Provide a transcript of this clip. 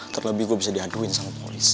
terlebih gue bisa diaduin sama polis